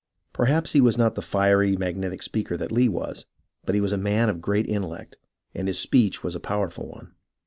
Perhaps he was not the fiery, magnetic speaker that Lee was, but he was a man of greater intel lect, and his speech was a powerful one.